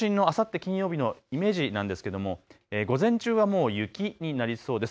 金曜日のイメージなんですけれども午前中はもう雪になりそうです。